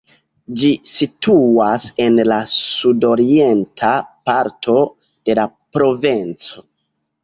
Ĝi situas en la sudorienta parto de la provinco.